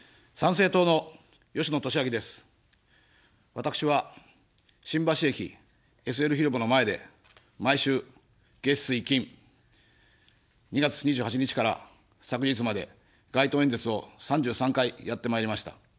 私は、新橋駅ＳＬ広場の前で毎週月水金、２月２８日から昨日まで、街頭演説を３３回やってまいりました。